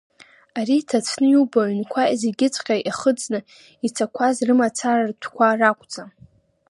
Арҭ иҭацәны иубо аҩнқәа зегьыҵәҟьа иахыҵны ицақәаз рымацара ртәқәа ракәӡам.